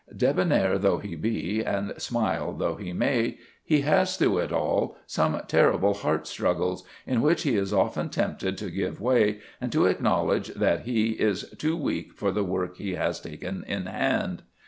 Debonair though he be, and smile though he may, he has through it all some terrible heart struggles, in which he is often tempted to give way and to acknowledge that he is too weak for the work he has taken in hand.